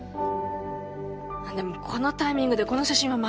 でもこのタイミングでこの写真はマズい。